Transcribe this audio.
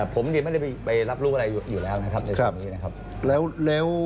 ผมนี้ไม่ได้ไปรับรูปอะไรอ่ะครับ